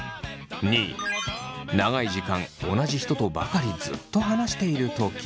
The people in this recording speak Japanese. ２位長い時間同じ人とばかりずっと話しているとき。